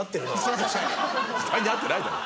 時代に合ってないだろ。